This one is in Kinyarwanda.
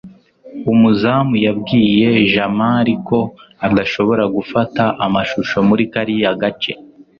umuzamu yabwiye jamali ko adashobora gufata amashusho muri kariya gace